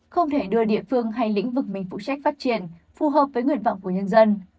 không thể đưa địa phương hay lĩnh vực mình phụ trách phát triển phù hợp với nguyện vọng của nhân dân